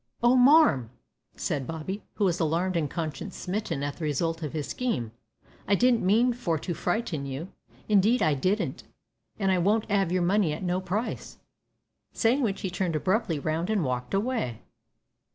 "Oh! marm," said Bobby, who was alarmed and conscience smitten at the result of his scheme, "I didn't mean for to frighten you. Indeed I didn't, an' I won't 'ave your money at no price." Saying which he turned abruptly round and walked away.